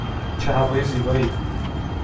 چه هوای زیبایی!